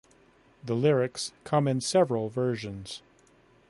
The lyrics come in several versions.